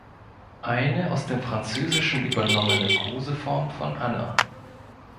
Eine aus dem französischen übernommene Koseform von Anna.